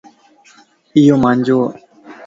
ايو مانجوَ